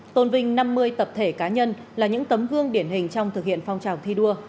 tôn vinh năm mươi tập thể cá nhân là những tấm gương điển hình trong thực hiện phong trào thi đua